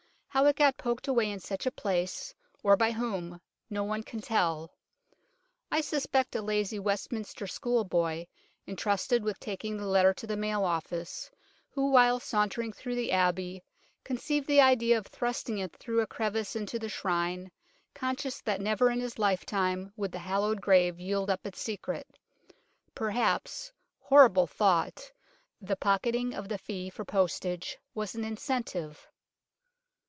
How it got poked away in such a place, or by whom, no one can tell. I suspect a lazy Westminster School boy, entrusted with taking the letter to the mail office, who while sauntering through the Abbey conceived the idea of thrusting it through a crevice into the Shrine, conscious that never in his lifetime would the hallowed grave yield up its secret. Perhaps horrible thought ! the pocketing of the fee for postage was an incentive.